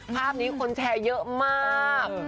ภาพนี้คนแชร์เยอะมาก